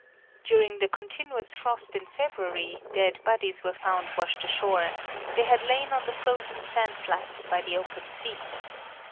During the continuous frost in February, dead bodies were found washed ashore; they had lain on the frozen sand flats by the open sea.